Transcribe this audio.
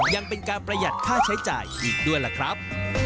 ยังเป็นการประหยัดค่าใช้จ่ายอีกด้วยล่ะครับ